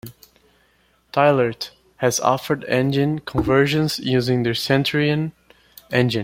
Thielert has offered engine conversions using their Centurion Engine.